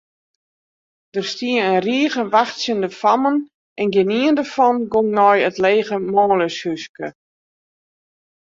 Der stie in rige wachtsjende fammen en gjinien dêrfan gong nei it lege manljushúske.